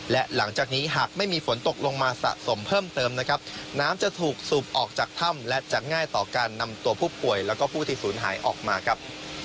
และหลังจากนี้หากไม่มีฝนตกลงมาสะสมเพิ่มเติมนะครับน้ำจะถูกสูบออกจากถ้ำและจะง่ายต่อการนำตัวผู้ป่วยแล้วก็ผู้ที่ศูนย์หายออกมาครับ